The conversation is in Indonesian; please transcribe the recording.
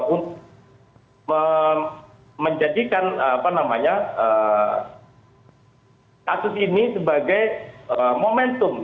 untuk menjadikan kasus ini sebagai momentum